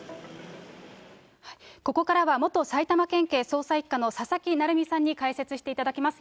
ここからは元埼玉県警捜査１課の佐々木成三さんに解説していただきます。